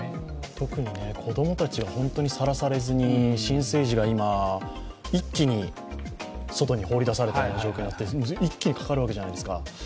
特に子供たちがさらされずに新生児が今、一気に外に放り出されてるような条件になって一気にかかるわけじゃないですか。